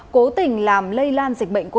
cố tình làm lây lan dịch bệnh covid một mươi